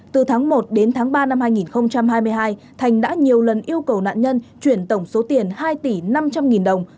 từ tháng một đến tháng ba năm hai nghìn hai mươi hai thành đã nhiều lần yêu cầu nạn nhân chuyển tổng số tiền hai tỷ năm trăm linh nghìn đồng